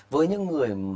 với những người